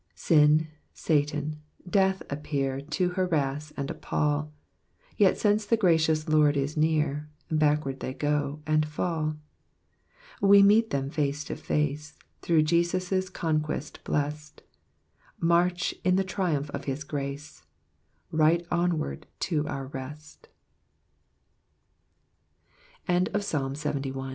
" Shi, Satan, Death appear To harass and appal : Yet since the g^icious Lord Is near, Backward they go, and fall. We meet them face to face, Thruutrh Jesus' conquest blest ; March in the triumph of his grac^ Right onward to o